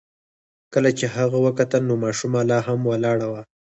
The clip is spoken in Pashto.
کله چې هغه وکتل نو ماشومه لا هم ولاړه وه.